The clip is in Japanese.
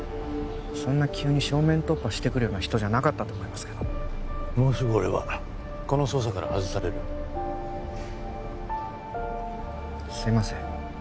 そんな急に正面突破してくるような人じゃなかったと思いますけどもうすぐ俺はこの捜査から外されるすいません